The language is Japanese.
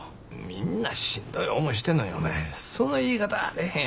みんなしんどい思いしてんのにお前その言い方はあれへんやろが。